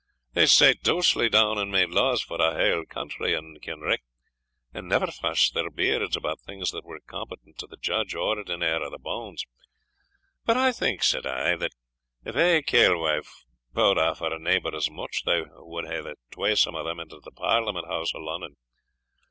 'they sate dousely down and made laws for a haill country and kinrick, and never fashed their beards about things that were competent to the judge ordinar o' the bounds; but I think,' said I, 'that if ae kailwife pou'd aff her neighbour's mutch they wad hae the twasome o' them into the Parliament House o' Lunnun.